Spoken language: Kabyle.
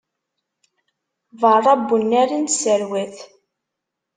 Beṛṛa n unnar i nesserwat.